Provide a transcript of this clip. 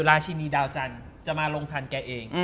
ชินีดาวจันทร์จะมาลงทันแกเอง